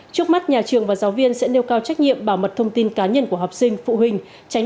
trước mắt nhà trường và giáo viên sẽ nêu cao trách nhiệm bảo mật thông tin cá nhân của học sinh phụ huynh